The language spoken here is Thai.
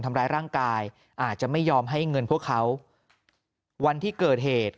ทำร้ายร่างกายอาจจะไม่ยอมให้เงินพวกเขาวันที่เกิดเหตุ